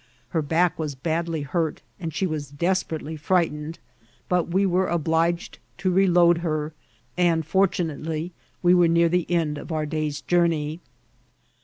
Her back was badly hurt, and she was desperately frightened ; but we were obliged to reload her, and, fortonately, we were i»ar the end of tfm day's journey.